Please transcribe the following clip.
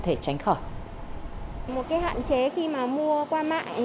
một cái hạn chế khi mà mua qua mạng